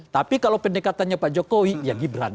tapi kalau pendekatannya pak jokowi ya erick tohir dong